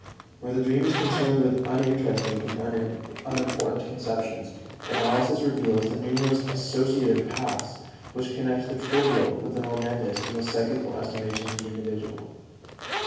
Where the dream is concerned with uninteresting and unimportant conceptions, analysis reveals the numerous associative paths which connect the trivial with the momentous in the psychical estimation of the individual.